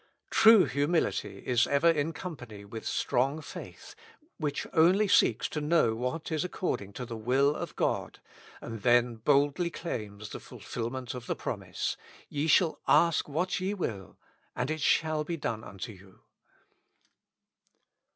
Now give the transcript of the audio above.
True humility is ever in com pany with strong faith, which only seeks to know what is according to the will of God, and then boldly claims the fulfilment of the promise. " Ye shall ask what ye willy and it shall be done unto you."